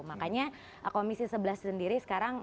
makanya komisi sebelas sendiri sekarang